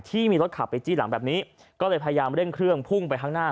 ที่มีรถขับไปจี้หลังแบบนี้ก็เลยพยายามเร่งเครื่องพุ่งไปข้างหน้า